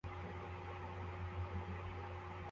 Umukobwa ukiri muto wambaye ikariso yijimye n'umuhondo